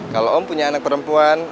kalau om punya anak perempuan